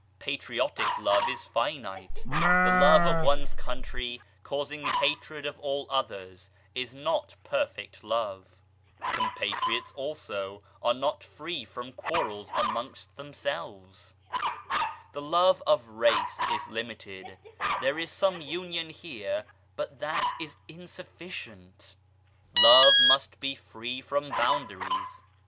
Patriotic Love is finite ; the love of one's country causing hatred of all others, is not perfect love ! Com patriots also are not free from quarrels amongst them selves. The Love of Race is limited ; there is some union here, but that is insufficient. Love must be free from boundaries